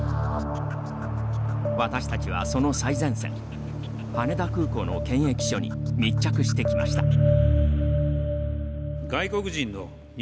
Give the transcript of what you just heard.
私たちは、その最前線羽田空港の検疫所に密着してきました。